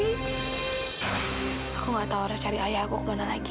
aku nggak tahu harus cari ayah aku kemana lagi